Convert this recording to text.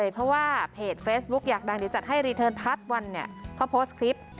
เพราะว่าเพจเฟซบุ๊กอยากดังเดี๋ยวจัดให้รีเทิร์นพัดวันเนี่ยเขาโพสต์คลิป